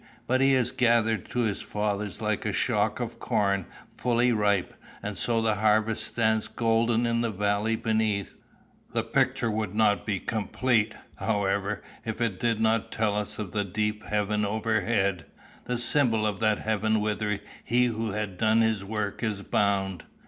But he is gathered to his fathers like a shock of corn fully ripe; and so the harvest stands golden in the valley beneath. The picture would not be complete, however, if it did not tell us of the deep heaven overhead, the symbol of that heaven whither he who has done his work is bound.